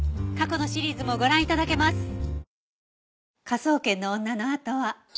過去のシリーズもご覧頂けます。